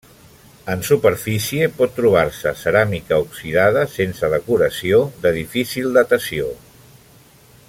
En superfície pot trobar-se ceràmica oxidada sense decoració, de difícil datació.